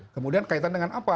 kemudian kaitan dengan apa